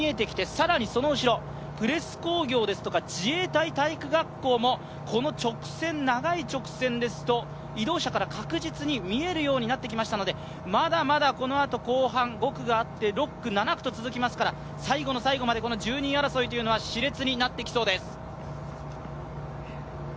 更にその後ろプレス工業や自衛隊体育学校もこの長い直線ですと、移動車から確実に見えるようになってきましたのでまだまだこのあと後半５区があって６区、７区と続きますから、最後の最後まで１２位争いはしれつになってきそうです。